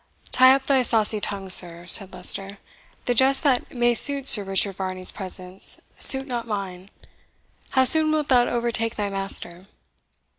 "Tie up thy saucy tongue, sir," said Leicester; "the jests that may suit Sir Richard Varney's presence suit not mine. How soon wilt thou overtake thy master?"